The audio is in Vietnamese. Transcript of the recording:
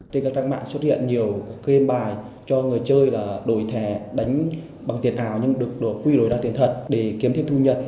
trên các trang mạng xuất hiện nhiều game bài cho người chơi là đổi thẻ đánh bằng tiền ảo nhưng được quy đổi ra tiền thật để kiếm thêm thu nhập